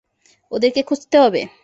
ওদেরকে খুঁজতে হবে?